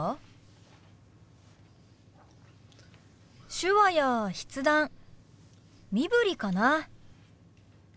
手話や筆談身振りかな。